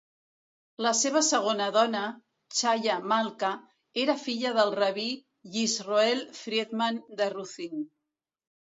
La seva segona dona, Chaya Malka, era filla del rabí Yisroel Friedman de Ruzhin.